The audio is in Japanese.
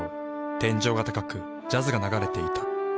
天井が高くジャズが流れていた。